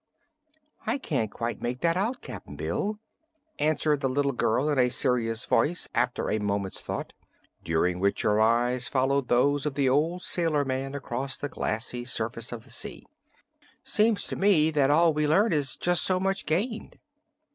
"I can't quite make that out, Cap'n Bill," answered the little girl in a serious voice, after a moment's thought, during which her eyes followed those of the old sailor man across the glassy surface of the sea. "Seems to me that all we learn is jus' so much gained."